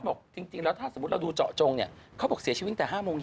เพราะว่าลากมา๑๘มน